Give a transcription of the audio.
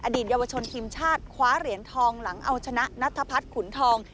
เยาวชนทีมชาติคว้าเหรียญทองหลังเอาชนะนัทพัฒน์ขุนทอง